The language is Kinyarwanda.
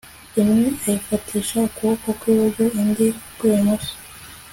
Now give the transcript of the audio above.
imwe ayifatisha ukuboko kw'iburyo, indi ukw'ibumoso